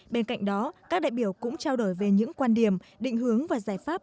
bên cạnh đó các đại biểu cũng trao đổi về những quan điểm định hướng và giải pháp